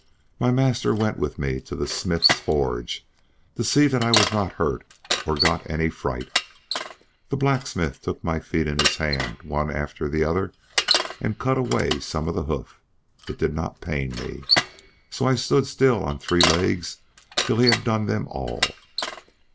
My master went with me to the smith's forge, to see that I was not hurt or got any fright. The blacksmith took my feet in his hand, one after the other, and cut away some of the hoof. It did not pain me, so I stood still on three legs till he had done them all.